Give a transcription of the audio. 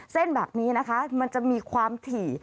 เส้นแบบนี้นะคะมันจะมีความถี่